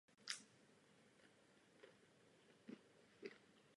Zbavili jsme se chunt v Evropě.